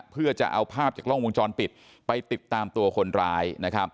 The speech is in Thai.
เพื่อจะเอาภาพจากกล้องวงจรปิดไปติดตามตัวคนร้าย